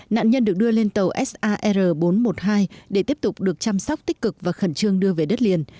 nạn nhân được đưa lên tàu sar bốn trăm một mươi hai để tiếp tục được chăm sóc tích cực và khẩn trương đưa về đất liền